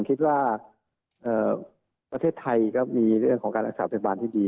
คิดว่าประเทศไทยก็มีเรื่องของการรักษาพยาบาลที่ดี